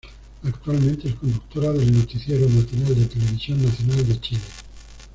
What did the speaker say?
Actualmente es conductora del noticiero matinal de Televisión Nacional de Chile.